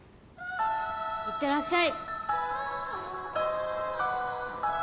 行ってらっしゃい！